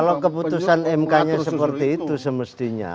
kalau keputusan mknya seperti itu semestinya